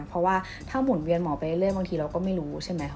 เพราะว่าถ้าหมุนเวียนหมอไปเรื่อยบางทีเราก็ไม่รู้ใช่ไหม